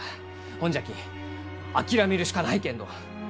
ほんじゃき諦めるしかないけんど！